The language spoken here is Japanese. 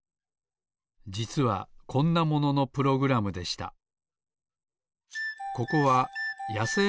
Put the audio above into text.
じつはこんなもののプログラムでした。